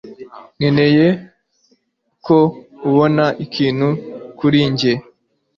Nkeneye ko ubona ikintu kuri njye